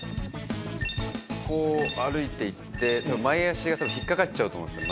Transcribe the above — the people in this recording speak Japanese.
こう歩いていって前脚が多分引っ掛かっちゃうと思うんですよ